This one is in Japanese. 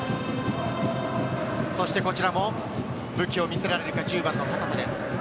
そしてこちらも武器を見せられるか、阪田です。